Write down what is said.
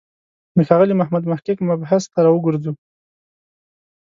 د ښاغلي محمد محق مبحث ته راوګرځو.